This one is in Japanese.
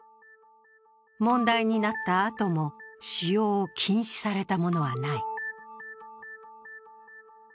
問題になったあとも使用を禁止されたものはない。